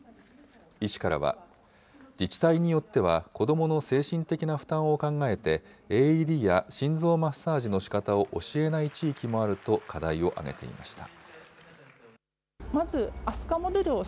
医師からは、自治体によっては子どもの精神的な負担を考えて、ＡＥＤや心臓マッサージのしかたを教えない地域もあると課題を挙げていました。